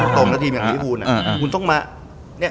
ตรงกับทีมนี้คุณต้องมา